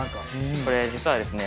これ実はですね。